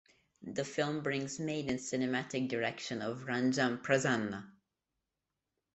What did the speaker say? The film brings maiden cinematic direction of Ranjan Prasanna.